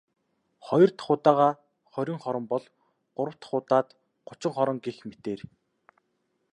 Хоёр дахь удаагаа хорин хором бол.. Гурав дахь удаад гучин хором гэх мэтээр.